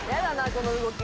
この動き。